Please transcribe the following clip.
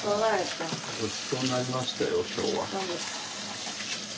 ごちそうになりましたよ今日は。